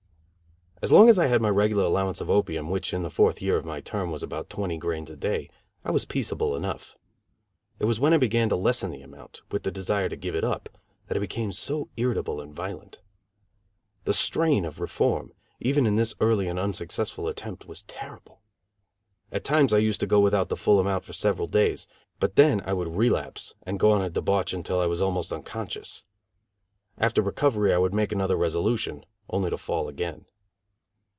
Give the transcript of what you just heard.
As long as I had my regular allowance of opium, which in the fourth year of my term was about twenty grains a day, I was peaceable enough. It was when I began to lessen the amount, with the desire to give it up, that I became so irritable and violent. The strain of reform, even in this early and unsuccessful attempt, was terrible. At times I used to go without the full amount for several days; but then I would relapse and go on a debauch until I was almost unconscious. After recovery, I would make another resolution, only to fall again.